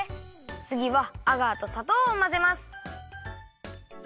つぎはアガーとさとうをまぜます。